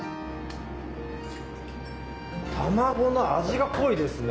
卵の味が濃いですね